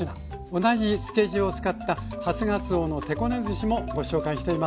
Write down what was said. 同じ漬け地を使った「初がつおの手こねずし」もご紹介しています。